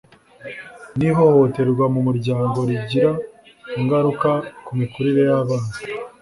n’ihotehorwa mu muryango rigira ingaruka ku mikurire y’abana